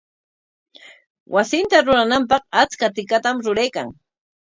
Wasinta rurananpaq achka tikatam ruraykan.